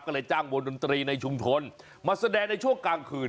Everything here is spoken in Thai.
ก็เลยจ้างวงดนตรีในชุมชนมาแสดงในช่วงกลางคืน